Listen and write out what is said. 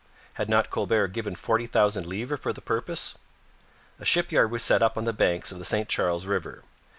Had not Colbert given forty thousand livres for the purpose? A shipyard was set up on the banks of the St Charles river.